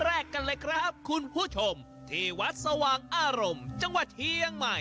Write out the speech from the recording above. ชาวบ้านที่นี่เนี่ยเชื่อกันว่าที่ถือเป็นที่เดียวในภาคเหนือมีความยาวถึง๒๙เมตร